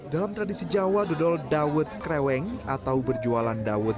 dalam tradisi jawa dodol dawet kreweng atau berjualan dawet